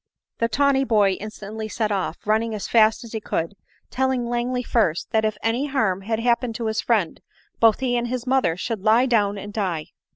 The tawny boy instantly set off, running as fast as he could, telling Langley first, that if any harm had happened to his friend, both he and his mother should lie down and die.